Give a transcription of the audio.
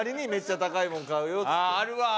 あるわ。